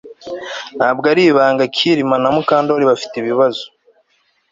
Ntabwo ari ibanga Kirima na Mukandoli bafite ibibazo